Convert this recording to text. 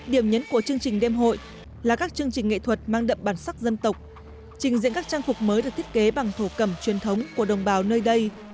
điểm nhấn của chương trình đêm hội là các chương trình nghệ thuật mang đậm bản sắc dân tộc trình diễn các trang phục mới được thiết kế bằng thổ cẩm truyền thống của đồng bào nơi đây